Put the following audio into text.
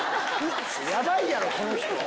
ヤバいやろこの人！